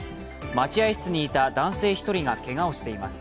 待合室にいた男性１人がけがをしています。